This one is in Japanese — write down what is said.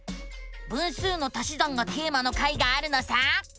「分数の足し算」がテーマの回があるのさ！